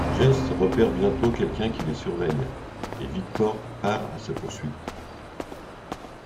Jess repère bientôt quelqu'un qui les surveille et Victor part à sa poursuite.